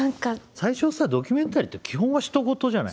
最初はさドキュメンタリーって基本はひと事じゃない？